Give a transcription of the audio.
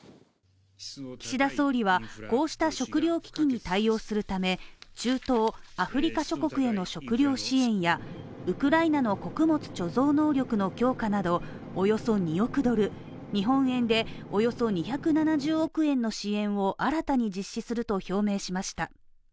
岸田総理は、こうした食料危機に対応するため中東、アフリカ諸国への食糧支援やウクライナの穀物貯蔵能力の強化などおよそ２億ドル、日本円でおよそ２７０億円の支援を新たに実施すると表明しました。